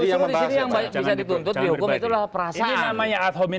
disini yang bisa dituntut dihukum adalah perasaan